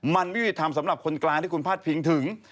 มันไม่มีธรรมสำหรับคนกลางที่คุณพาดพิงถึง